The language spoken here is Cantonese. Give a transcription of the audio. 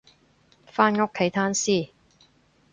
返屋企攤屍